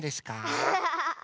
アハハハ！